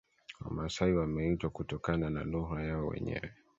Wamasai wameitwa kutokana na lugha yao wenyewe